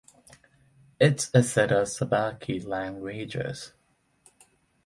It is a set of Sabaki languages.